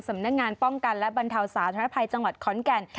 สำนักงานป้องกันและบรรเทาสาธารณภัยจังหวัดขอนแก่น